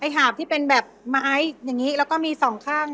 หาบที่เป็นแบบไม้อย่างนี้แล้วก็มีสองข้าง